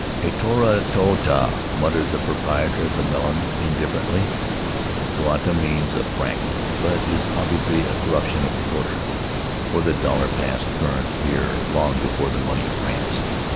"A toru toata" muttered the proprietor of the melon, indifferently. ("Toata" means a franc, but is obviously a corruption of quarter, for the dollar passed current here long before the money of France.)